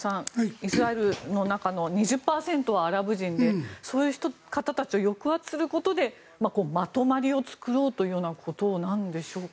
イスラエルの中の２０％はアラブ人でそういう方たちを抑圧することでまとまりを作ろうということなんでしょうか。